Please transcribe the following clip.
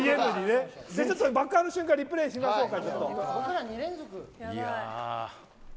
爆破の瞬間のリプレー見ましょうか。